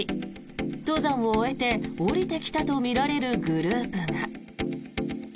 登山を終えて降りてきたとみられるグループが。